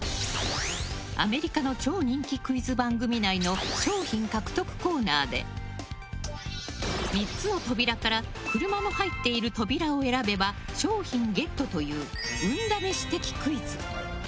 アメリカの超人気クイズ番組内の商品獲得コーナーで３つの扉から車の入っている扉を選べば商品ゲットという運試し的クイズ。